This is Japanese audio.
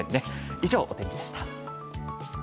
以上、お天気でした。